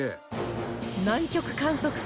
南極観測船